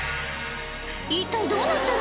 一体どうなってるの？